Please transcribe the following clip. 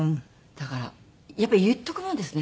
だからやっぱり言っとくもんですね。